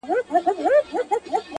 کلي کي سړه فضا خپره ده،